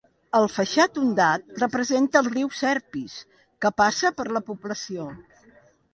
El faixat ondat representa el riu Serpis, que passa per la població.